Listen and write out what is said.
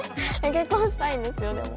結婚はしたいんですよでも。